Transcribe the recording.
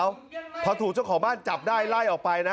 มีกว่าหลายหมาเขาพอถูกเจ้าของบ้านจับได้ไร่ออกไปนะ